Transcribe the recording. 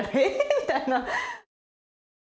みたいな。